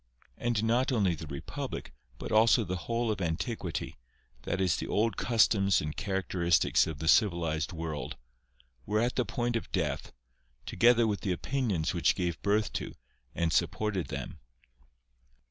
And not only the republic, but also the whole of antiquity, that is, the i MARCUS BRUTUS AND THEOPHRASTUS. 205 old customs and characteristics of the civilised world, were at the point of death, together with the opinions which gave birth to, and supported them.